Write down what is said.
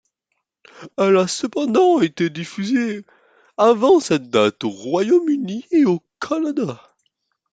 Elle a cependant été diffusée avant cette date au Royaume-Uni et au Canada.